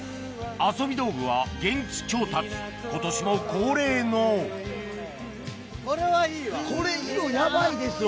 遊び道具は現地調達今年も恒例のこれはいいわ。